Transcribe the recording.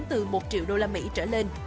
từ một triệu đô la mỹ trở lên